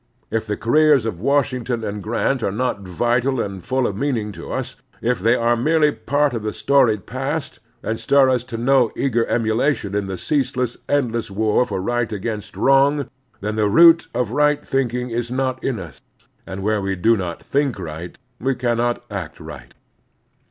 If the careers of Washington and Grant are not vital and full of meaning to us, if they are merely part of the storied past, and stir us to no eager emulation in the ceaseless, endless war for right against wrong, then the root of right thinking is not in us ; and where we do not think right we cannot act right.